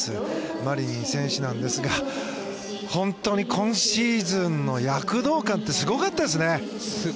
マリニン選手なんですが本当に、今シーズンの躍動感はすごいですよね。